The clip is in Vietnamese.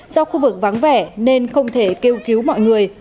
do khu vực vắng vẻ nên không thể kêu cứu mọi người